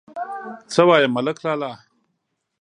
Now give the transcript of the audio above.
_څه وايي ملک لالا!